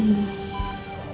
semoga kamu bisa cepat sembuh